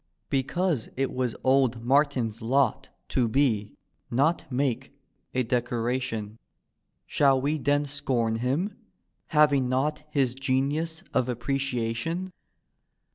Because it was old Martin's lot To be, not make, a decoration. Shall we then scorn htm, having not His genius of appreciation?